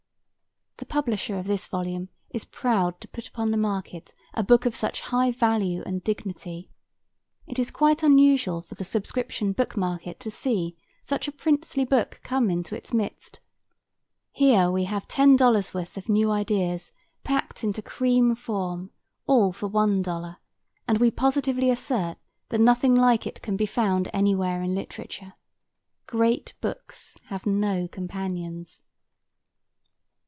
The publisher of this volume is proud to put upon the market a book of such high value and dignity. It is quite unusual for the subscription book market to see such a princely book come into its midst. Here we have ten dollars worth of new ideas, packed into cream form, all for one dollar, and we positively assert that nothing like it can be found anywhere in literature. _Great books have no companions.